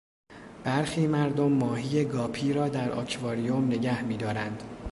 برخی مردم ماهی گاپی را در آکواریم نگهمیدارند.